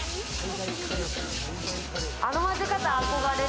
あの混ぜ方、憧れる！